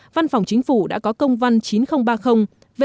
văn phòng chính phủ đã có công văn chín nghìn ba mươi